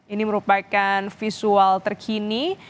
ini merupakan visual terkini